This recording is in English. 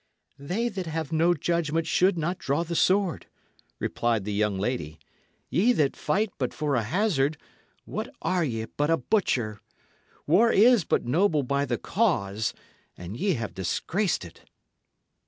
"They that have no judgment should not draw the sword," replied the young lady. "Ye that fight but for a hazard, what are ye but a butcher? War is but noble by the cause, and y' have disgraced it."